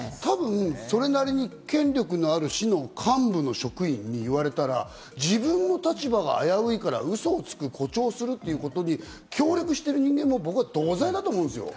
それなりに権力のある市の幹部職員に言われたら、自分の立場が危ういからウソをつく、誇張するということに協力している人間も同罪だと思うんですよ。